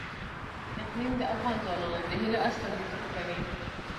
اقلیم د افغان ځوانانو د هیلو استازیتوب کوي.